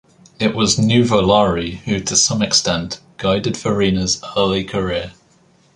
It was Nuvolari who to some extent, guided Farina's early career.